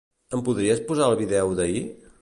Em podries posar el vídeo d'ahir?